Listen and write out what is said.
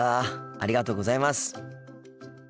ありがとうございます。